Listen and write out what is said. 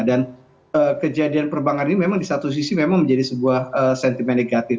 dan kejadian perbankan ini memang di satu sisi memang menjadi sebuah sentimen negatif